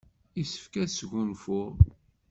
Yessefk ad sgunfuɣ.